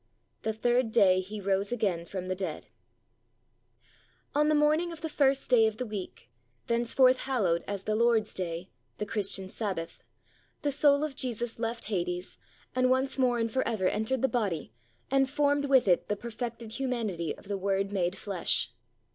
THE THIRD DAY HE ROSE AGAIN FROM THE DEAD On the morning of the first day of the week, thenceforth hallowed as the Lord's Day the Christian Sabbath the soul of Jesus left Hades, and once more and for ever entered the body, and formed with it the perfected humanity of the "Word made flesh."